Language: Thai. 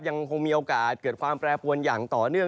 ยังคงมีโอกาสเกิดความแปรปวนอย่างต่อเนื่อง